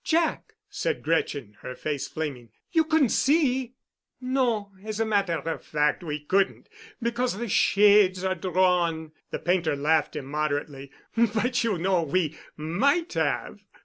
"Jack!" said Gretchen, her face flaming, "you couldn't see——" "No, as a matter of fact, we couldn't—because the shades are drawn"—the painter laughed immoderately—"but you know we might have."